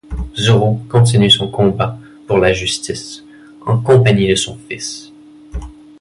Zorro continue son combat pour la justice, en compagnie de son fils.